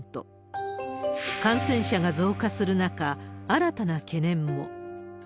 感染者が増加する中、新たな懸念も。